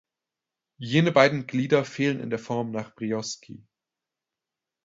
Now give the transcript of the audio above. Jene beiden Glieder fehlen in der Form nach Brioschi.